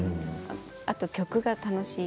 あと曲が楽しい